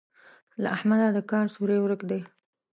له احمده د کار سوری ورک دی.